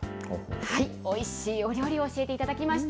おいしいお料理を教えていただきました。